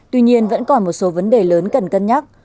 tuy nhiên vẫn còn một số vấn đề lớn cần cân nhắc